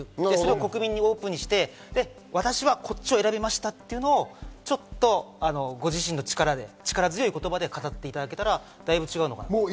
国民にオープンにして、私はこっちを選びましたっていうのをご自身の力で力強い言葉で語っていただけたら、大分違うと思います。